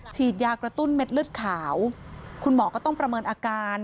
ฉีดยากระตุ้นเม็ดเลือดขาวคุณหมอก็ต้องประเมินอาการ